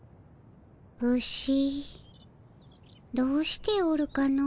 牛どうしておるかの。